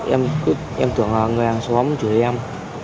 em cứ em tưởng là người hàng xóm chửi em